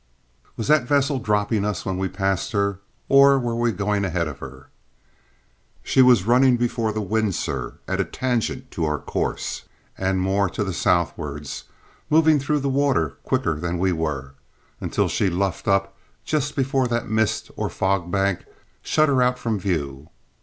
"Was that vessel dropping us when we passed her, or were we going ahead of her?" "She was running before the wind, sir, at a tangent to our course, and more to the southwards, moving through the water quicker than we were, until she luffed up just before that mist or fog bank shut her out from view.